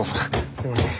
すいません。